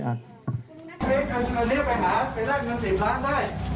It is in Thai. ไปแลกเงินสิบล้านได้